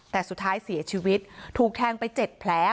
แต่สุดท้ายเสียชีวิตถูกแทงไป๗แผล